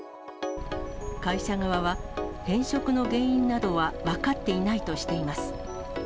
会社側は、変色の原因などは分かっていないとしています。